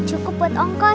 harus kaiklah t boss deh